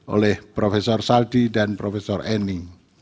oleh prof saldi dan prof eni